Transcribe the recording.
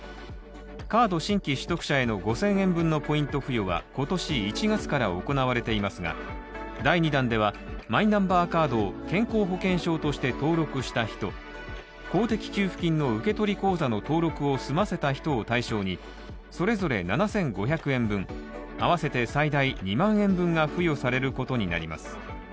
カード新規取得者への５０００円分のポイント付与は今年１月から行われていますが、第２弾ではマイナンバーカードを健康保険証として公的給付金の受取口座の登録を済ませた人を対象にそれぞれ７５００円分、合わせて最大２万円分が付与されることになります。